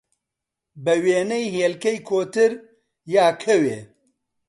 بە وێنەی هێلکەی کۆتر، یا کەوێ